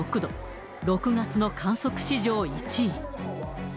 ６月の観測史上１位。